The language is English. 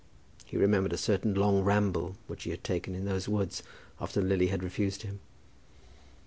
He remembered a certain long ramble which he had taken in those woods after Lily had refused him.